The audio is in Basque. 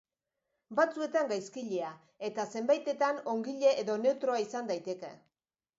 Batzuetan gaizkilea eta zenbaitetan ongile edo neutroa izan daiteke.